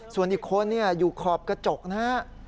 ส่วนอีกคนอยู่ขอบกระจกนะฮะ